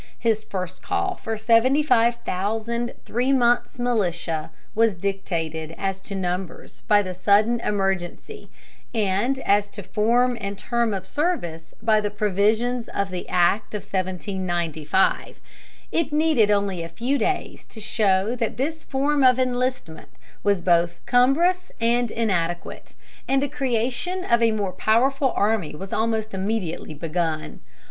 His first call for seventy five thousand three months' militia was dictated as to numbers by the sudden emergency, and as to form and term of service by the provisions of the Act of 1795. It needed only a few days to show that this form of enlistment was both cumbrous and inadequate; and the creation of a more powerful army was almost immediately begun.